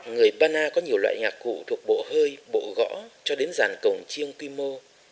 người pana có nhiều loại nhạc cụ thuộc bộ hơi bộ gõ cho đến dàn cổng chiêng quy mô